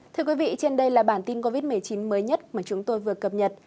thưa quý vị trên đây là bản tin covid một mươi chín mới nhất mà chúng tôi vừa cập nhật